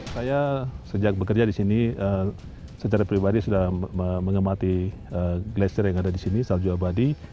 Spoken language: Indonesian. saya sejak bekerja di sini secara pribadi sudah mengemati glasier yang ada di sini salju abadi